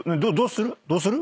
どうする？